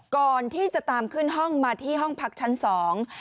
ก่อนที่จะตามขึ้นห้องมาที่ห้องพักชั้นสอง